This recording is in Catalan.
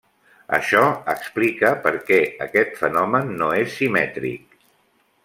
Això explica perquè aquest fenomen no és simètric.